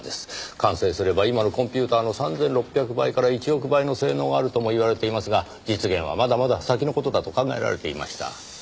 完成すれば今のコンピューターの３６００倍から１億倍の性能があるともいわれていますが実現はまだまだ先の事だと考えられていました。